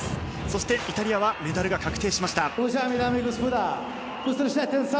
そして、イタリアはメダルが確定しました。